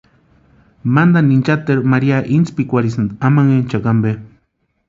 Mantani inchateru Mari intspikwarhisïnti amanhenchakwa ampe.